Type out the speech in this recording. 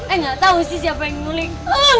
eh gak tau sih siapa yang muling